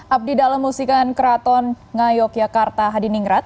abdi dalam musikan keraton ngayok yakarta hadiningrat